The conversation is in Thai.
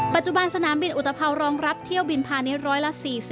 ปัจจุบันสนามบินอุตภาวรองรับเที่ยวบินพาณิชย๑๔๐